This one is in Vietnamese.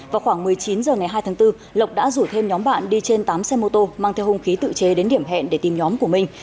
vào khoảng một mươi chín h ngày hai tháng bốn lộc đã rủ thêm nhóm bạn đi trên tám xe mô tô mang theo hung khí tự chế đến điểm hẹn để tìm nhóm của mình